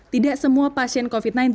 tidak semua pasien covid sembilan belas